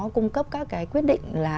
cung cấp các cái quyết định là